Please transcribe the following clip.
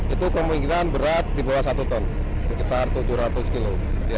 itu kemungkinan berat di bawah satu ton sekitar tujuh ratus kilo